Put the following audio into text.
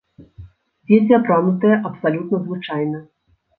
Дзеці апранутыя абсалютна звычайна.